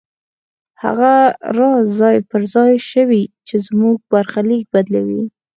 هغه راز ځای پر ځای شوی چې زموږ برخليک بدلوي.